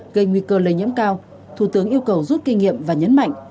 gây nguy cơ lây nhiễm cao thủ tướng yêu cầu rút kinh nghiệm và nhấn mạnh